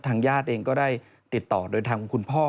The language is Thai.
ญาติเองก็ได้ติดต่อโดยทางคุณพ่อ